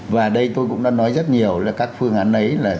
và đây tôi cũng đã nói rất nhiều là các phương án ấy là